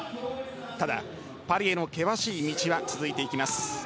ただ、パリへの険しい道は続いていきます。